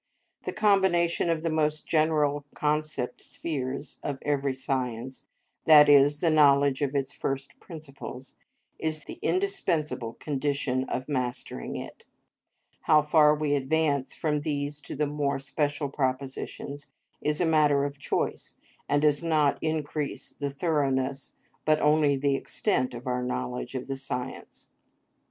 The combination of the most general concept spheres of every science, that is, the knowledge of its first principles, is the indispensable condition of mastering it; how far we advance from these to the more special propositions is a matter of choice, and does not increase the thoroughness but only the extent of our knowledge of the science.